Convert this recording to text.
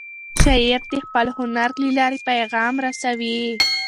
شاعر د خپل هنر له لارې پیغام رسوي.